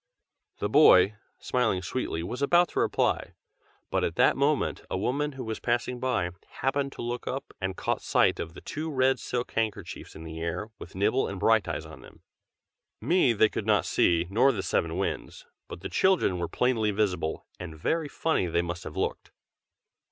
The boy, smiling sweetly, was about to reply; but at that moment a woman, who was passing by, happened to look up, and caught sight of the two red silk handkerchiefs in the air, with Nibble and Brighteyes on them. Me they could not see, nor the seven Winds, but the children were plainly visible, and very funny they must have looked.